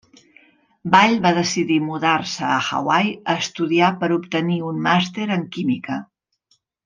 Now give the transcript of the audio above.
Ball va decidir mudar-se a Hawaii a estudiar per obtenir un màster en química.